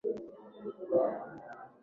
wakati mbuga hiyo ina malisho ya kutosha